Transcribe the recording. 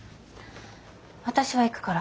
私は行くから。